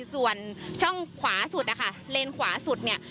ส่วนช่องขวาสุดนะคะเลนขวาสุดเนี่ย